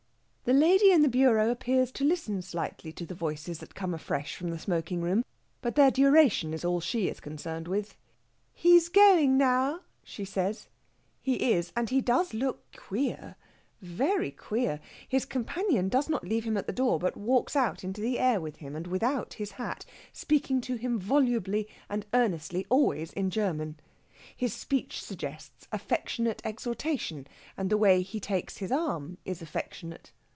The lady in the bureau appears to listen slightly to the voices that come afresh from the smoking room, but their duration is all she is concerned with. "He's going now," she says. He is; and he does look queer very queer. His companion does not leave him at the door, but walks out into the air with him without his hat, speaking to him volubly and earnestly, always in German. His speech suggests affectionate exhortation, and the way he takes his arm is affectionate.